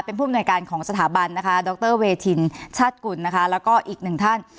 เป็นผู้อำนวยการของสถาบันนะคะดรเวทินชาติกุลนะคะแล้วก็อีกหนึ่งท่าน